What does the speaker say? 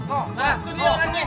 oh jadilah orangnya nih